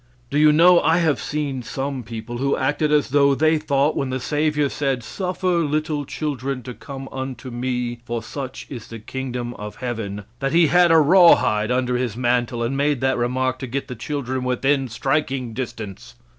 Do you know, I have seen some people who acted as though they thought when the Savior said, "Suffer little children to come unto me, for such is the Kingdom of Heaven," that he had a rawhide under his mantle and made that remark to get the children within striking distance.